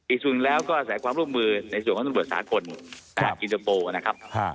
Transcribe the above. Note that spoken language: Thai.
อีกส่วนหนึ่งแล้วก็อาศัยความร่วมมือในส่วนของตำรวจสากลตลาดอินเตอร์โปรนะครับ